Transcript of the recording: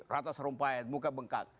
rata serumpah muka bengkak